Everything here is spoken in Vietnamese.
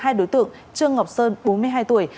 hai đối tượng trương ngọc sơn bốn mươi hai tuổi